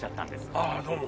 ああどうも。